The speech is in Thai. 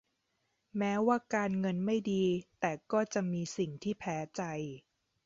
แม้ว่าการเงินไม่ดีแต่ก็จะมีสิ่งที่แพ้ใจ